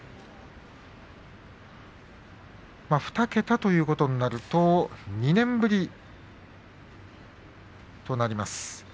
２桁ということになると２年ぶりとなります。